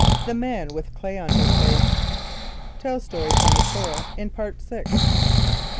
The Man with Clay on his Face. (Tell Story 24 in Part Sixth.)